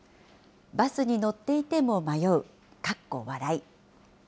バスに乗っていても迷うかっこ笑い。